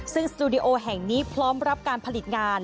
ซึ่งสตูดิโอแห่งนี้พร้อมรับการผลิตงาน